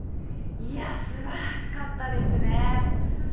いや、すばらしかったですね。